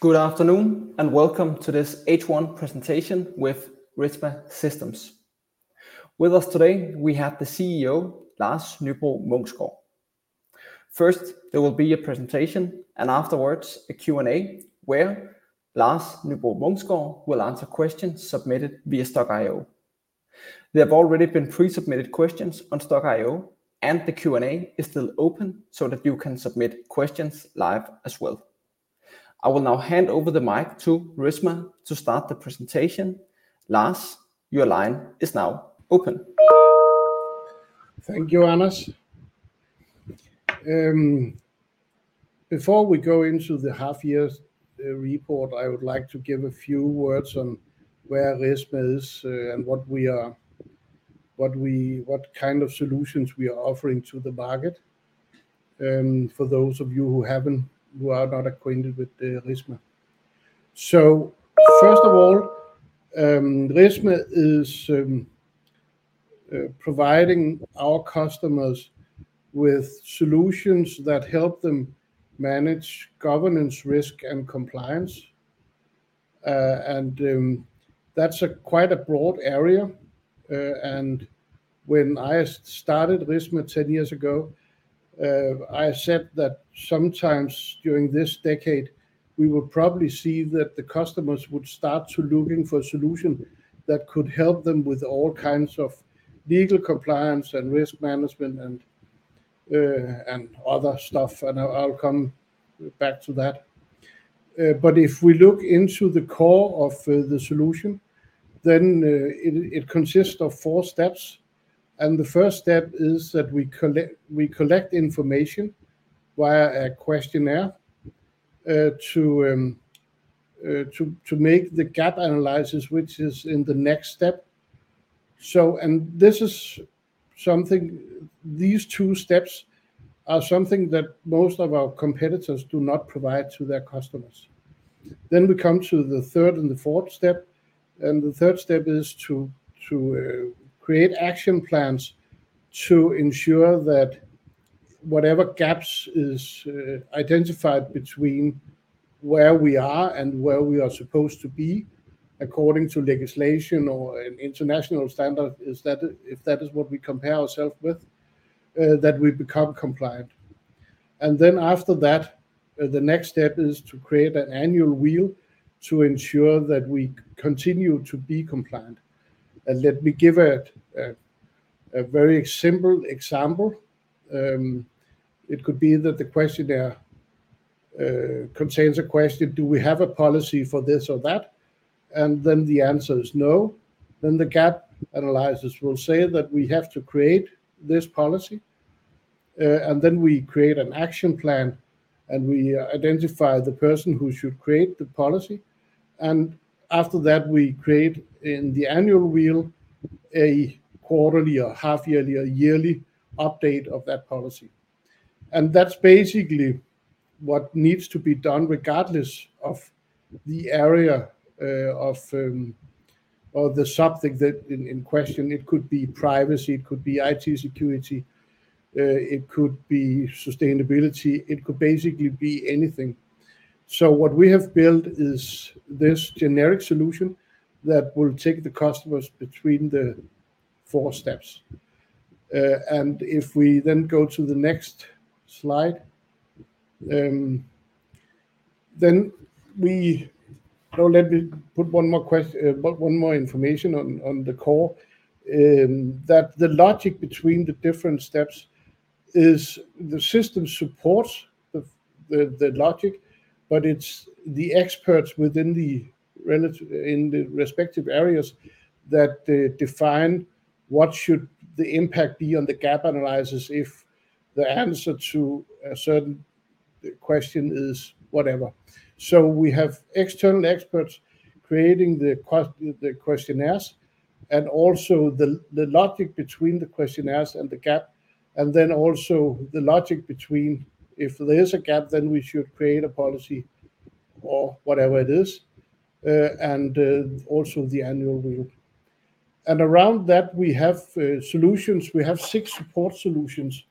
Good afternoon, and welcome to this H1 presentation with Risma Systems. With us today, we have the CEO, Lars Nybro Munksgaard. First, there will be a presentation, and afterwards, a Q&A, where Lars Nybro Munksgaard will answer questions submitted via Stokk.io. There have already been pre-submitted questions on Stokk.io, and the Q&A is still open so that you can submit questions live as well. I will now hand over the mic to Risma to start the presentation. Lars, your line is now open. Thank you, Anders. Before we go into the half year's report, I would like to give a few words on where Risma is, and what kind of solutions we are offering to the market, for those of you who haven't, who are not acquainted with Risma. So, first of all, Risma is providing our customers with solutions that help them manage governance, risk, and compliance. That's quite a broad area. When I started Risma ten years ago, I said that sometimes during this decade, we would probably see that the customers would start to looking for a solution that could help them with all kinds of legal compliance and risk management, and other stuff, and I'll come back to that. But if we look into the core of the solution, then it consists of four steps. And the first step is that we collect information via a questionnaire to make the gap analysis, which is in the next step. So and this is something. These two steps are something that most of our competitors do not provide to their customers. Then we come to the third and the fourth step, and the third step is to create action plans to ensure that whatever gaps is identified between where we are and where we are supposed to be, according to legislation or an international standard, is that if that is what we compare ourselves with, that we become compliant. And then after that, the next step is to create an annual wheel to ensure that we continue to be compliant. And let me give a very simple example. It could be that the questionnaire contains a question, Do we have a policy for this or that? And then the answer is no. Then the gap analysis will say that we have to create this policy, and then we create an action plan, and we identify the person who should create the policy. And after that, we create in the annual wheel, a quarterly or half-yearly, a yearly update of that policy. And that's basically what needs to be done, regardless of the area of or the subject in question. It could be privacy, it could be IT security, it could be sustainability, it could basically be anything. What we have built is this generic solution that will take the customers between the four steps. And if we then go to the next slide. Now, let me put one more information on the core, that the logic between the different steps is the system supports the logic, but it's the experts in the respective areas that define what should the impact be on the gap analysis if the answer to a certain question is whatever. So we have external experts creating the questionnaires and also the logic between the questionnaires and the gap, and then also the logic between if there is a gap, then we should create a policy or whatever it is, and also the annual wheel. Around that, we have solutions. We have six support solutions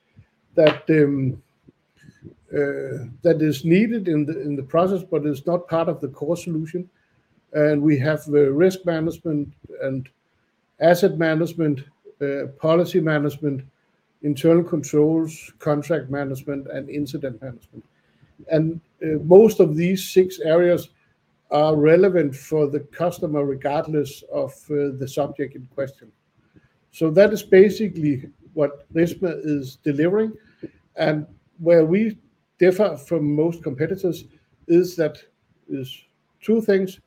that is needed in the process, but is not part of the core solution, and we have the risk management and asset management, policy management, internal controls, contract management, and incident management, and most of these six areas are relevant for the customer, regardless of the subject in question, so that is basically what Risma is delivering, and where we differ from most competitors is that two things: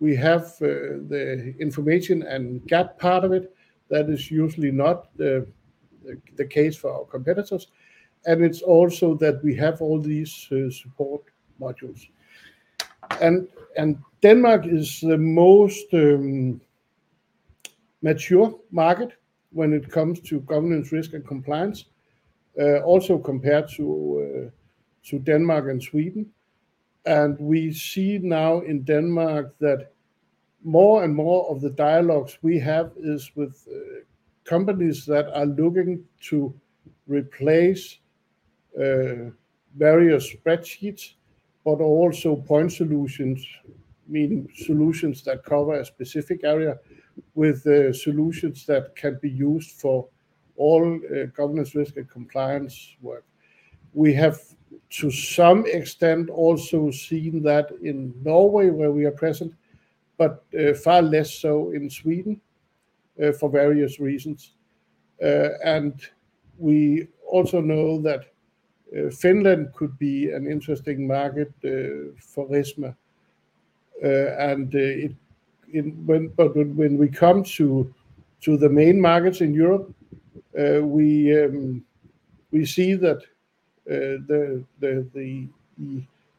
We have the information and gap part of it. That is usually not the case for our competitors, and it's also that we have all these support modules, and Denmark is the most mature market when it comes to governance, risk, and compliance, also compared to Denmark and Sweden, and we see now in Denmark that more and more of the dialogues we have is with companies that are looking to replace various spreadsheets, but also point solutions, meaning solutions that cover a specific area with solutions that can be used for all governance, risk, and compliance work. We have, to some extent, also seen that in Norway, where we are present, but far less so in Sweden for various reasons. And we also know that Finland could be an interesting market for Risma. When we come to the main markets in Europe, we see that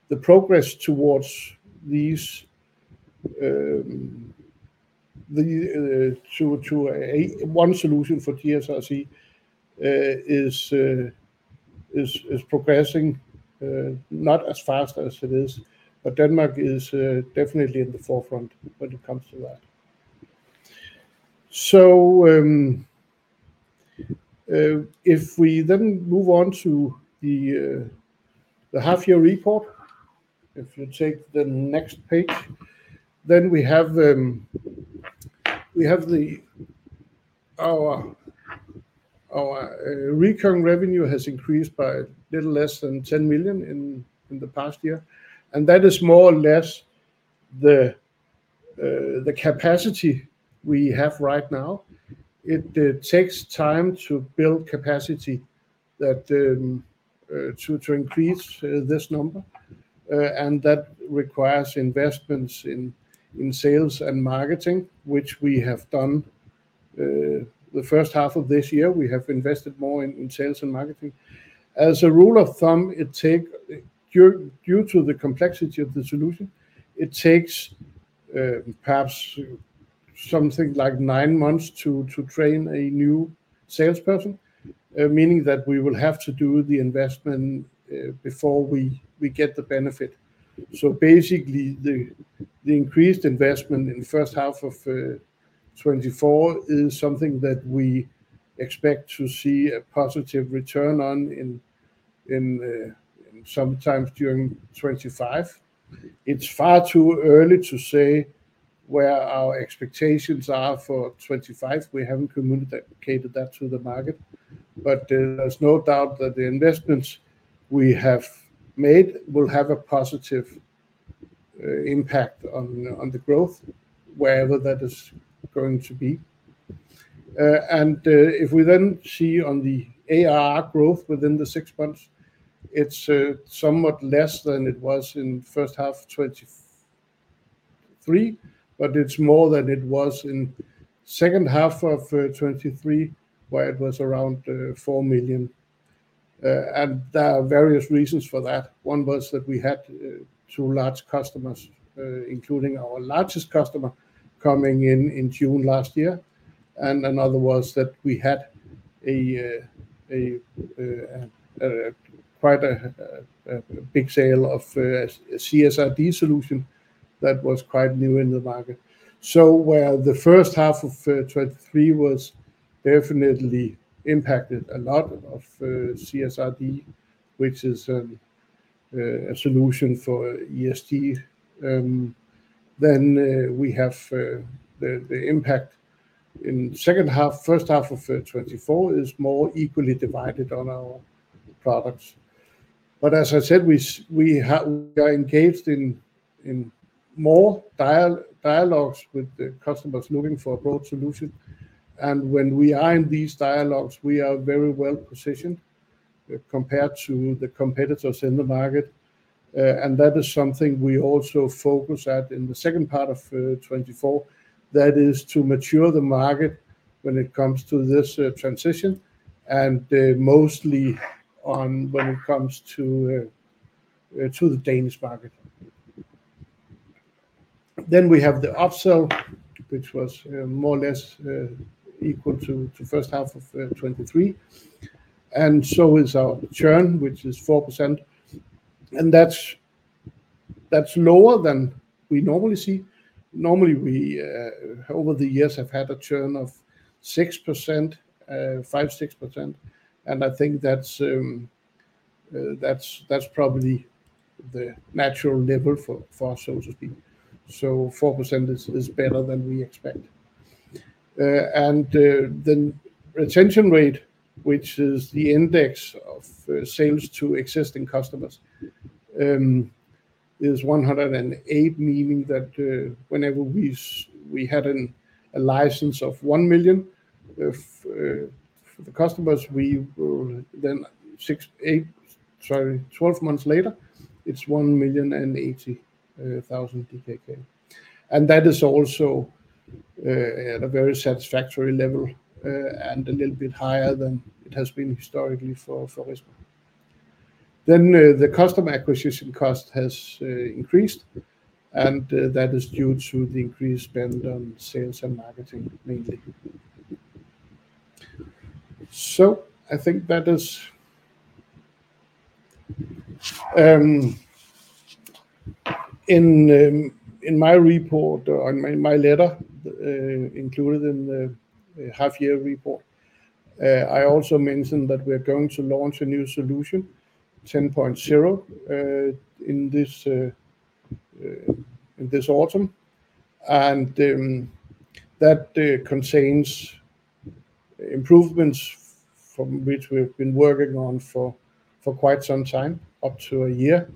the progress towards a one solution for GSRC is progressing not as fast as it is, but Denmark is definitely in the forefront when it comes to that. If we then move on to the half-year report, if you take the next page, then we have our recurring revenue has increased by a little less than 10 million in the past year, and that is more or less the capacity we have right now. It takes time to build capacity that to increase this number, and that requires investments in sales and marketing, which we have done. The first half of this year, we have invested more in sales and marketing. As a rule of thumb, it take due to the complexity of the solution, it takes perhaps something like nine months to train a new salesperson, meaning that we will have to do the investment before we get the benefit. So basically, the increased investment in the first half of 2024 is something that we expect to see a positive return on in sometime during 2025. It's far too early to say where our expectations are for 2025. We haven't communicated that to the market, but there's no doubt that the investments we have made will have a positive impact on the growth, wherever that is going to be, and if we then see on the ARR growth within the six months, it's somewhat less than it was in first half 2023, but it's more than it was in second half of 2023, where it was around four million. And there are various reasons for that. One was that we had two large customers, including our largest customer, coming in in June last year, and another was that we had a quite big sale of CSRD solution that was quite new in the market. So where the first half of 2023 was definitely impacted a lot of CSRD, which is a solution for ESG, then we have the impact in second half. First half of 2024 is more equally divided on our products. But as I said, we have, we are engaged in more dialogues with the customers looking for a broad solution. And when we are in these dialogues, we are very well positioned compared to the competitors in the market. And that is something we also focus at in the second part of 2024. That is to mature the market when it comes to this transition, and mostly on when it comes to the Danish market. We have the upsell, which was more or less equal to first half of 2023, and so is our churn, which is 4%, and that's lower than we normally see. Normally, we over the years have had a churn of 6%, five, six percent, and I think that's probably the natural level for so to speak. So 4% is better than we expect. And the retention rate, which is the index of sales to existing customers, is 108, meaning that whenever we had a license of one million, the customers, we will then six, eight, sorry, twelve months later, it's one million DKK and 80 thousand DKK. And that is also at a very satisfactory level, and a little bit higher than it has been historically for Risma. Then the customer acquisition cost has increased, and that is due to the increased spend on sales and marketing, mainly. So I think that is. In my report or my letter, included in the half-year report, I also mentioned that we are going to launch a new solution, 10.0, in this autumn. And that contains improvements from which we've been working on for quite some time, up to a year.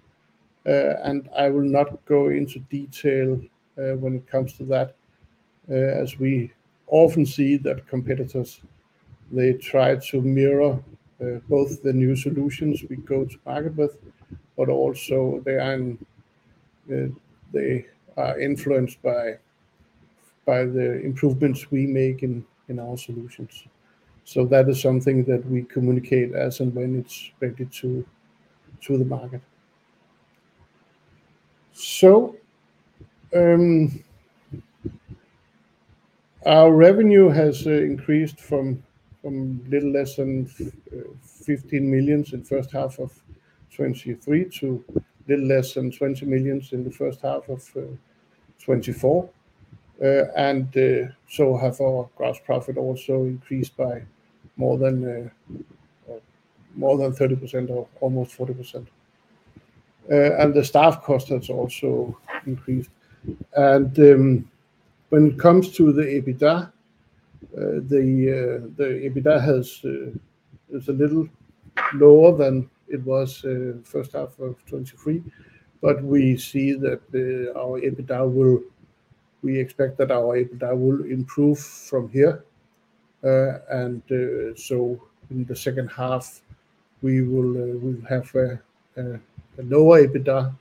I will not go into detail when it comes to that, as we often see that competitors they try to mirror both the new solutions we go to market with, but also they are they are influenced by the improvements we make in our solutions. So that is something that we communicate as and when it's ready to the market. So our revenue has increased from a little less than 15 million in the first half of 2023 to a little less than 20 million in the first half of 2024. And so have our gross profit also increased by more than 30% or almost 40%. And the staff cost has also increased. And when it comes to the EBITDA, the EBITDA is a little lower than it was first half of 2023. But we expect that our EBITDA will improve from here. And so in the second half, we will have a lower EBITDA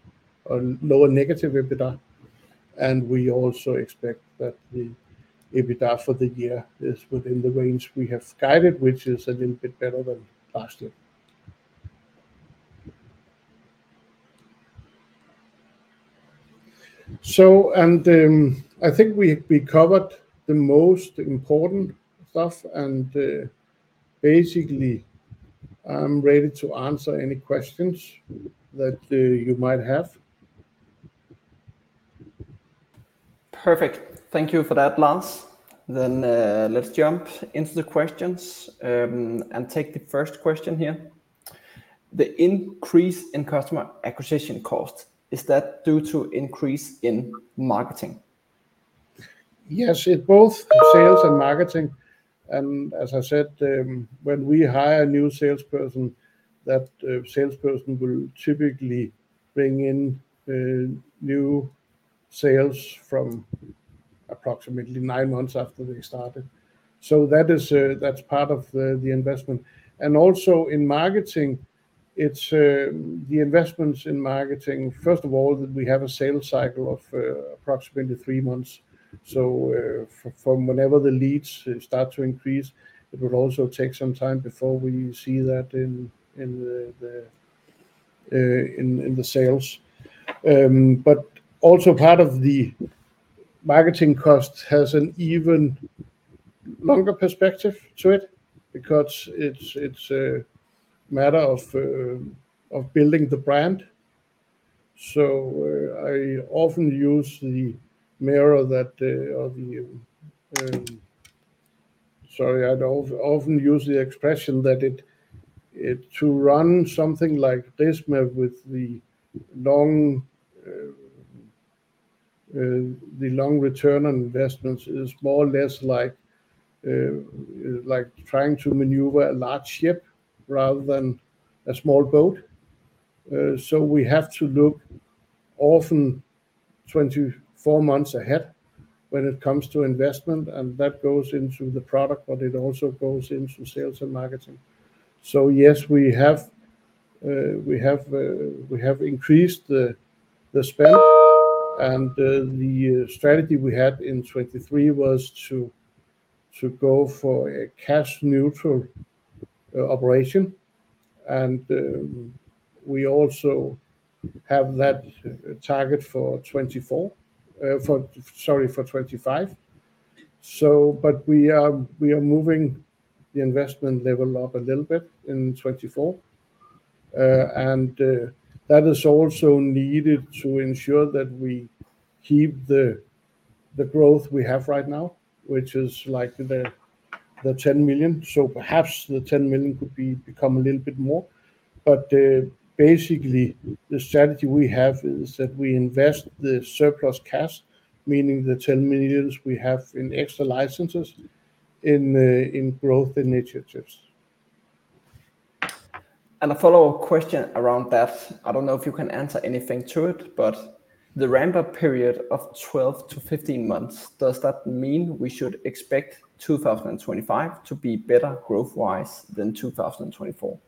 or lower negative EBITDA, and we also expect that the EBITDA for the year is within the range we have guided, which is a little bit better than last year. So, and I think we covered the most important stuff, and basically, I'm ready to answer any questions that you might have. Perfect. Thank you for that, Lars. Then, let's jump into the questions, and take the first question here. The increase in customer acquisition cost, is that due to increase in marketing? Yes, it's both sales and marketing. And as I said, when we hire a new salesperson, that salesperson will typically bring in new sales from approximately nine months after they started. So that is, that's part of the investment. And also in marketing, it's the investments in marketing. First of all, we have a sales cycle of approximately three months. So from whenever the leads start to increase, it would also take some time before we see that in the sales. But also part of the marketing cost has an even longer perspective to it because it's a matter of building the brand. So I often use the mirror that, or the. Sorry, I'd often use the expression that it to run something like this, maybe with the long return on investments is more or less like trying to maneuver a large ship rather than a small boat. So we have to look often 24 months ahead when it comes to investment, and that goes into the product, but it also goes into sales and marketing. So yes, we have increased the spend, and the strategy we had in 2023 was to go for a cash neutral operation. And we also have that target for 2024, for 2025. So but we are moving the investment level up a little bit in 2024. That is also needed to ensure that we keep the growth we have right now, which is like the 10 million. Perhaps the 10 million could be become a little bit more. Basically, the strategy we have is that we invest the surplus cash, meaning the 10 millions we have in extra licenses, in growth initiatives. And a follow-up question around that. I don't know if you can answer anything to it, but the ramp-up period of 12-15 months, does that mean we should expect 2025 to be better growth-wise than 2024?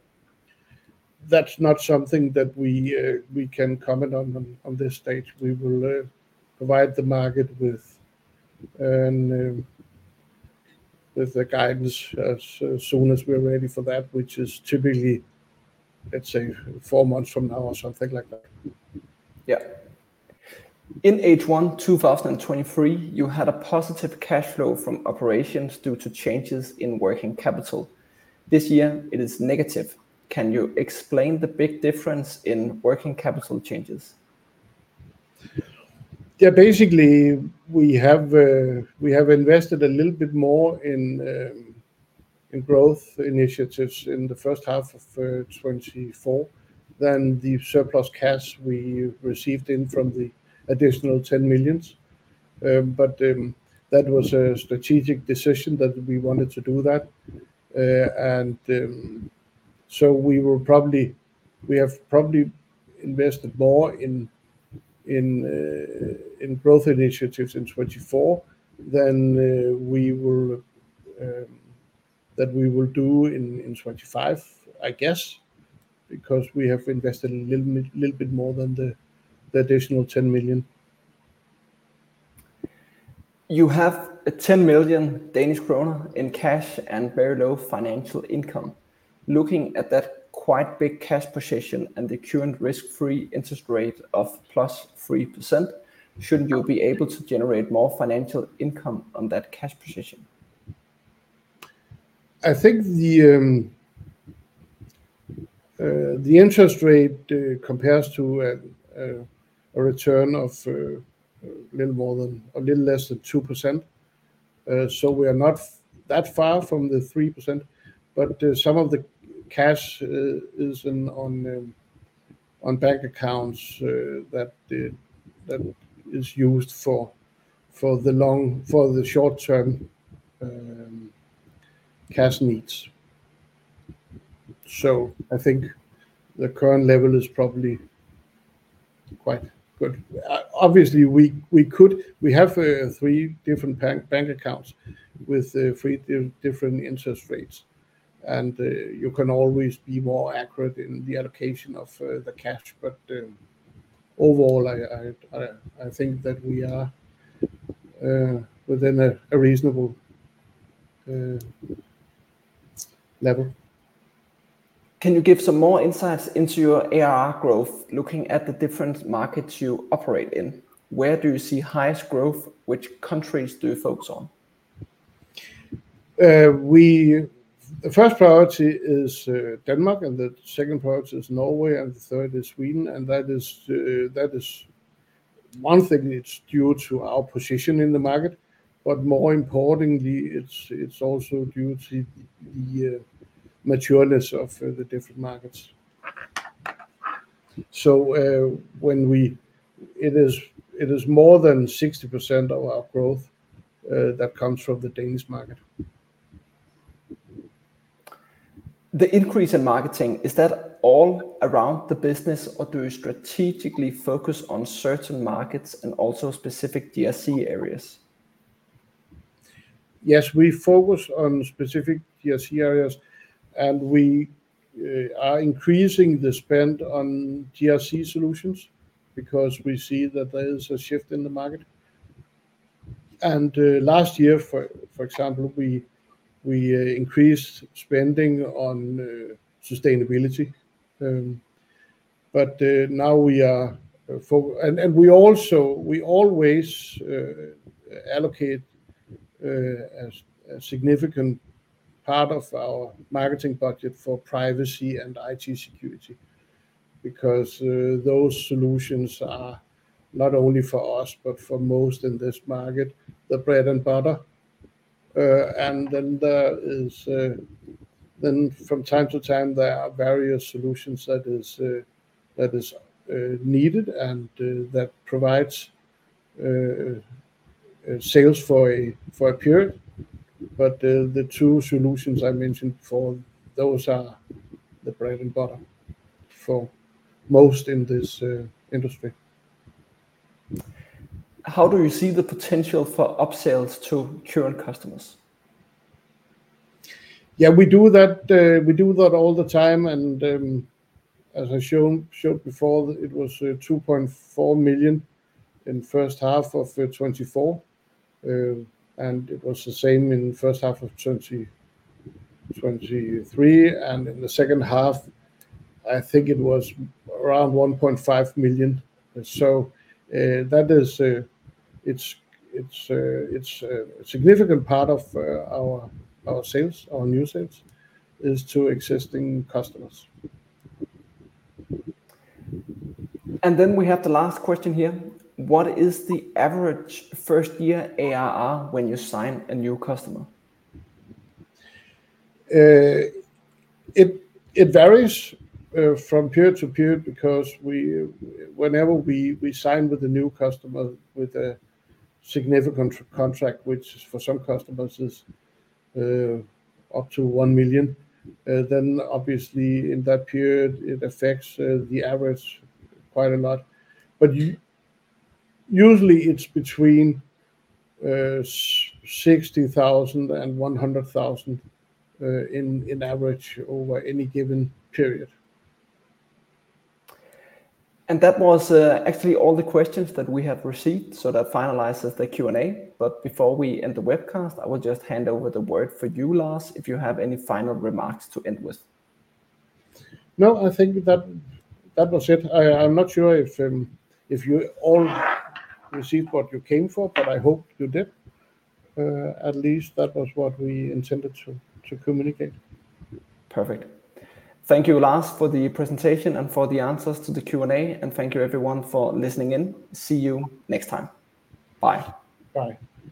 That's not something that we can comment on this stage. We will provide the market with the guidance as soon as we're ready for that, which is typically, let's say, four months from now or something like that. Yeah. In H1 2023, you had a positive cash flow from operations due to changes in working capital. This year it is negative. Can you explain the big difference in working capital changes? Yeah, basically, we have invested a little bit more in growth initiatives in the first half of 2024 than the surplus cash we received in from the additional 10 millions, but that was a strategic decision that we wanted to do that. And so we have probably invested more in growth initiatives in 2024 than we will do in 2025, I guess, because we have invested a little bit more than the additional 10 million. You have 10 million Danish kroner in cash and very low financial income. Looking at that quite big cash position and the current risk-free interest rate of plus 3%, shouldn't you be able to generate more financial income on that cash position? I think the interest rate compares to a return of a little more than. A little less than 2%. So we are not that far from the 3%, but some of the cash is in on bank accounts that is used for the short-term cash needs. So I think the current level is probably quite good. Obviously, we could we have three different bank accounts with three different interest rates, and you can always be more accurate in the allocation of the cash. But overall, I think that we are within a reasonable level. Can you give some more insights into your ARR growth, looking at the different markets you operate in? Where do you see highest growth? Which countries do you focus on? The first priority is Denmark, and the second priority is Norway, and the third is Sweden. That is one thing. It's due to our position in the market, but more importantly, it's also due to the maturity of the different markets. It is more than 60% of our growth that comes from the Danish market. The increase in marketing, is that all around the business, or do you strategically focus on certain markets and also specific GRC areas? Yes, we focus on specific GRC areas, and we are increasing the spend on GRC solutions because we see that there is a shift in the market. Last year, for example, we increased spending on sustainability. We also always allocate a significant part of our marketing budget for privacy and IT security, because those solutions are not only for us, but for most in this market, the bread and butter. From time to time, there are various solutions that is needed and that provides sales for a period. The two solutions I mentioned before, those are the bread and butter for most in this industry. How do you see the potential for upsells to current customers? Yeah, we do that all the time, and, as I showed before, it was 2.4 million in first half of 2024. And it was the same in the first half of 2023, and in the second half, I think it was around 1.5 million. So, that is, it's a significant part of our sales, our new sales, is to existing customers. We have the last question here: What is the average first-year ARR when you sign a new customer? It varies from period to period because whenever we sign with a new customer with a significant contract, which for some customers is up to one million then obviously in that period it affects the average quite a lot. But usually it's between 60,000 and 100,000 in average over any given period. And that was, actually, all the questions that we have received, so that finalizes the Q&A. But before we end the webcast, I will just hand over the word for you, Lars, if you have any final remarks to end with. No, I think that was it. I'm not sure if you all received what you came for, but I hope you did. At least that was what we intended to communicate. Perfect. Thank you, Lars, for the presentation and for the answers to the Q&A, and thank you everyone for listening in. See you next time. Bye. Bye.